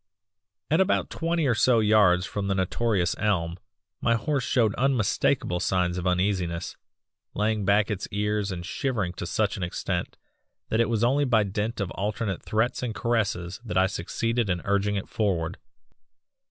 "At about twenty or so yards from the notorious elm my horse showed unmistakable signs of uneasiness, laying back its ears and shivering to such an extent that it was only by dint of alternate threats and caresses that I succeeded in urging it forward.